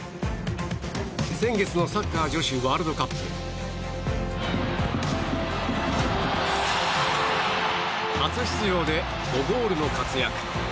先月のサッカー女子ワールドカップ初出場で５ゴールの活躍。